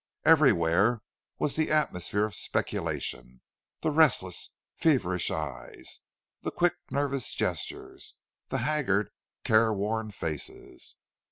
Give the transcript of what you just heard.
Everywhere was the atmosphere of speculation—the restless, feverish eyes; the quick, nervous gestures; the haggard, care worn faces.